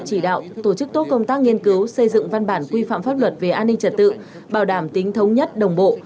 chỉ đạo tổ chức tốt công tác nghiên cứu xây dựng văn bản quy phạm pháp luật về an ninh trật tự bảo đảm tính thống nhất đồng bộ